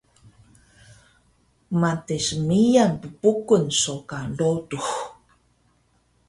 Madis miyan ppuqun so ka rodux